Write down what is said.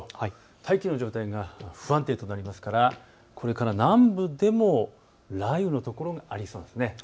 大気の状態が不安定となりますからこれから南部でも雷雨の所がありそうなんです。